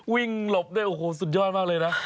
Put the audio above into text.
หลบได้โอ้โหสุดยอดมากเลยนะ